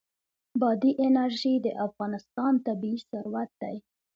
بادي انرژي د افغانستان طبعي ثروت دی.